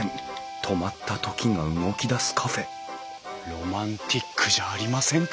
ロマンチックじゃありませんか！